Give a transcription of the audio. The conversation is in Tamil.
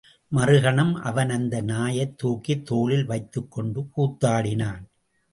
மறுகணம் அவன் அந்த நாயைத் தூக்கித் தோளில் வைத்துக் கொண்டு கூத்தாடினான்.